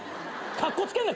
かっこつけんなよ